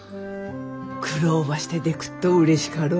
苦労ばしてでくっとうれしかろ？